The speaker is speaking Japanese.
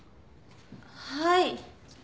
はい。